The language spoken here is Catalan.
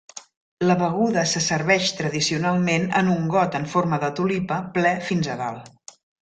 La beguda se serveix tradicionalment en un got en forma de tulipa ple fins a dalt.